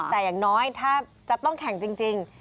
แต่อย่างน้อยถ้าจะต้องแข่งจริง